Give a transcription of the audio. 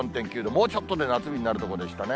もうちょっとで夏日になるところでしたね。